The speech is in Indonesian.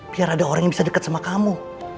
biar ada orang yang bisa dekat sama kamu